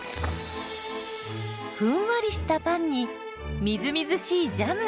ふんわりしたパンにみずみずしいジャム。